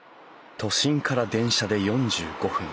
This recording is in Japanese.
都心から電車で４５分。